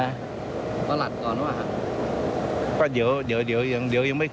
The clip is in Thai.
เดี๋ยวยังไม่คุยกับนายกเลยเดี๋ยวคุยกัน